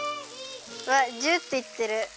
うわっジュっていってる。